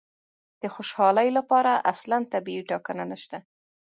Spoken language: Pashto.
د خوشالي لپاره اصلاً طبیعي ټاکنه نشته.